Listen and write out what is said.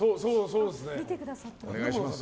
見てくださってる。